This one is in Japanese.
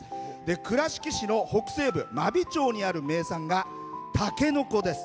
倉敷市の北西部・真備町にある名産が、たけのこです。